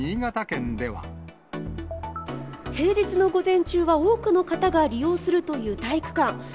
平日の午前中は多くの方が利用するという体育館。